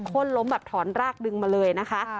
้นล้มแบบถอนรากดึงมาเลยนะคะ